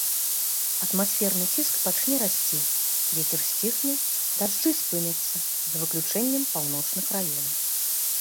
Атмасферны ціск пачне расці, вецер сціхне, дажджы спыняцца, за выключэннем паўночных раёнаў.